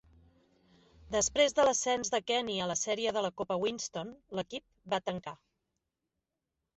Després de l'ascens de Kenny a la sèrie de la Copa Winston, l'equip va tancar.